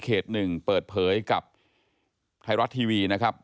๑เปิดเผยกับไทยรัฐทีวีนะครับ